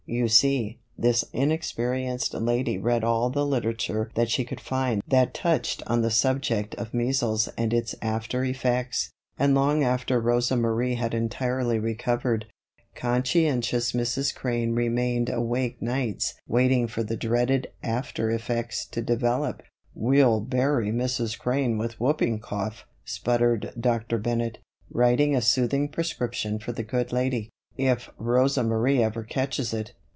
You see, this inexperienced lady read all the literature that she could find that touched on the subject of measles and its after effects; and long after Rosa Marie had entirely recovered, conscientious Mrs. Crane remained awake nights waiting for the dreaded "after effects" to develop. "We'll bury Mrs. Crane with whooping cough," sputtered Dr. Bennett, writing a soothing prescription for the good lady, "if Rosa Marie ever catches it.